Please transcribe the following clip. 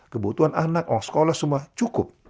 kebutuhan anak orang sekolah semua cukup